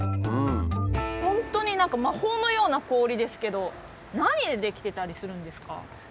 本当に何か魔法のような氷ですけど何で出来てたりするんですか？